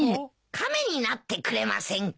亀になってくれませんか？